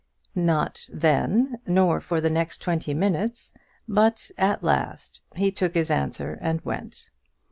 Not then, nor for the next twenty minutes, but at last he took his answer and went.